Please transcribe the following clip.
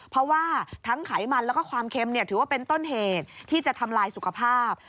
เพราะว่าทั้งไขมันแล้วก็ความเค็มถือว่าเป็นต้นเหตุที่จะทำลายสุขภาพ